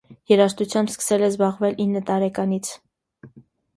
Երաժշտությամբ սկսել է զբաղվել իննը տարեկանից։